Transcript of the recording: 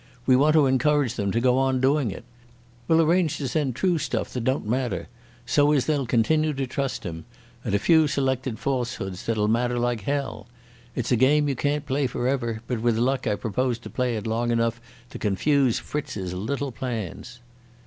We want to encourage them to go on doing it. We'll arrange to send true stuff that don't matter, so as they'll continue to trust him, and a few selected falsehoods that'll matter like hell. It's a game you can't play for ever, but with luck I propose to play it long enough to confuse Fritz's little plans."